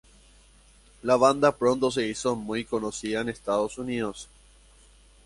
La banda pronto se hizo muy conocida en Estados Unidos.